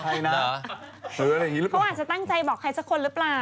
เขาอาจจะตั้งใจบอกใครสักคนหรือเปล่า